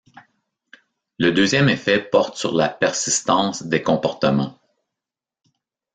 Le deuxième effet porte sur la persistance des comportements.